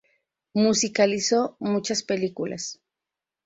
Musicalizó muchas películas.